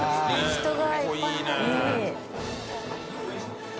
人がいっぱい入ってる。